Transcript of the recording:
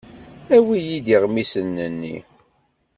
Awi-iyi-d iɣmisen-nni.